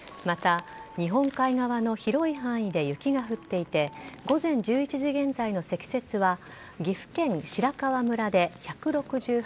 また、日本海側の広い範囲で雪が降っていて午前１１時現在の積雪は岐阜県白川村で１６８ｃｍ